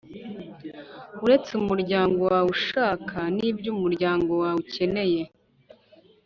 uretse umuryango wawe ushaka n ibyo umuryango wawe ukeneye